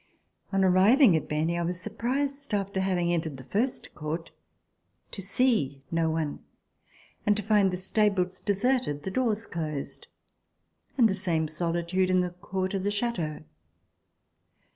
On arriving at Berny, I was surprised, after having entered the first court, to see no one and to find the stables deserted, the doors closed and the same solitude in the court of the chateau.